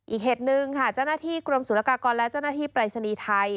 อีกเหตุนึงจ้อนาธิกรมศูนยากากรและจ้อนาธิปริศณีย์ไทย